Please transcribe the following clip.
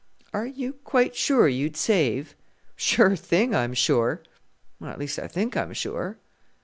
"Are you quite sure you'd save?" "Sure thing, I'm sure at least I think I'm sure."